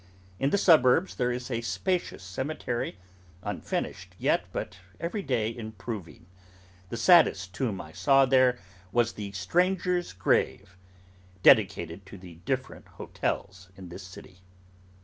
In the suburbs there is a spacious cemetery: unfinished yet, but every day improving. The saddest tomb I saw there was 'The Strangers' Grave. Dedicated to the different hotels in this city.